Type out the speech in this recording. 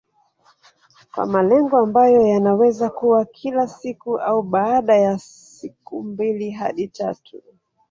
Kwa malengo ambayo yanaweza kuwa kila siku au baada ya siku mbili hadi tatu